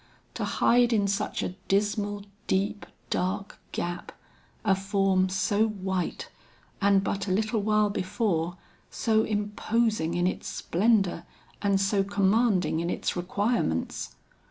To hide in such a dismal, deep, dark gap, a form so white and but a little while before, so imposing in its splendor and so commanding in its requirements.